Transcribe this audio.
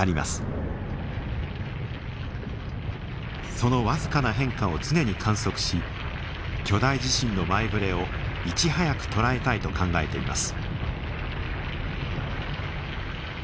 その僅かな変化を常に観測し巨大地震の前触れをいち早く捉えたいと考えています。